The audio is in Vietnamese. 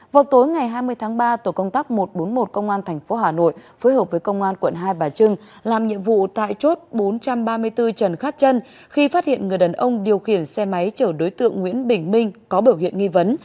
vào tối ngày hai mươi tháng ba tổ công tác một trăm bốn mươi một công an tp hà nội phối hợp với công an quận hai bà trưng làm nhiệm vụ tại chốt bốn trăm ba mươi bốn trần khát trân khi phát hiện người đàn ông điều khiển xe máy chở đối tượng nguyễn bình minh có biểu hiện nghi vấn